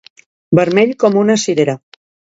Vermell com una cirera.